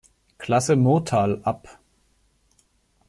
Klasse Murtal“ ab.